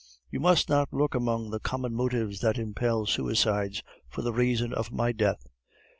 "You must not look among the common motives that impel suicides for the reason of my death.